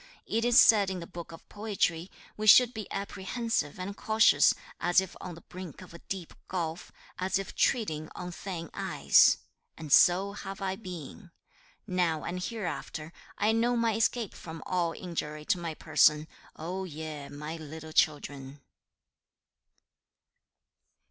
It is said in the Book of Poetry, "We should be apprehensive and cautious, as if on the brink of a deep gulf, as if treading on thin ice," and so have I been. Now and hereafter, I know my escape from all injury to my person, O ye, my little children.'